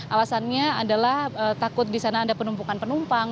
awasannya adalah takut disana ada penumpukan penumpang